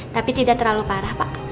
tapi tidak terlalu parah pak